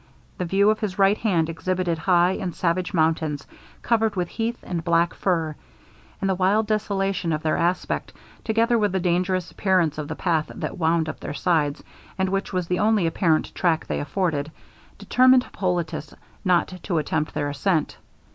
The view on his right hand exhibited high and savage mountains, covered with heath and black fir; and the wild desolation of their aspect, together with the dangerous appearance of the path that wound up their sides, and which was the only apparent track they afforded, determined Hippolitus not to attempt their ascent.